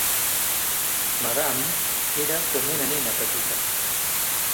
Madame era com una nena petita.